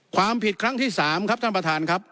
ความผิดครั้งที่๓ครับท่านประธานครับ